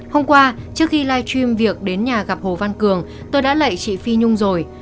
hôm qua trước khi live stream việc đến nhà gặp hồ văn cường tôi đã lậy chị phi nhung rồi